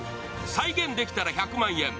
「再現できたら１００万円！